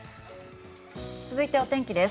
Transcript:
続いてお天気です。